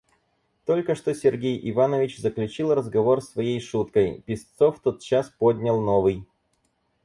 Только что Сергей Иванович заключил разговор своей шуткой, Песцов тотчас поднял новый.